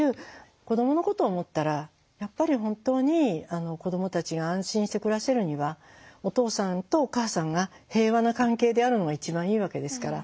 子どものことを思ったらやっぱり本当に子どもたちが安心して暮らせるにはお父さんとお母さんが平和な関係であるのが一番いいわけですから。